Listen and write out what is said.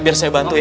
biar saya bantu ya